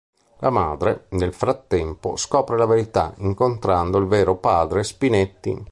La madre, nel frattempo, scopre la verità incontrando il vero padre Spinetti.